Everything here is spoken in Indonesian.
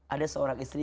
ada seorang istri